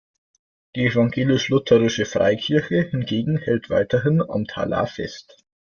Die Evangelisch-Lutherische Freikirche hingegen hält weiterhin am Talar fest.